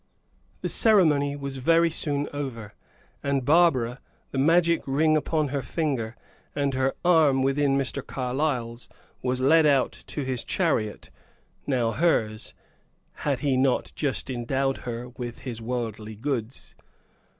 The ceremony was very soon over, and Barbara, the magic ring upon her finger and her arm within Mr. Carlyle's was led out to his chariot, now hers had he not just endowed her with his worldly goods?